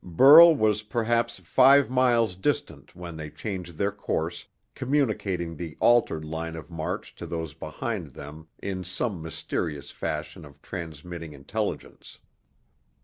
Burl was perhaps five miles distant when they changed their course, communicating the altered line of march to those behind them in some mysterious fashion of transmitting intelligence.